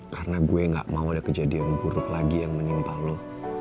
karena gue gak mau ada kejadian buruk lagi yang menimpa lo